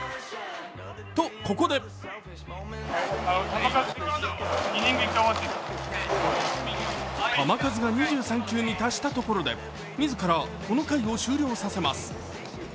と、ここで球数が２３球に達したところで自らこの回を終了させます。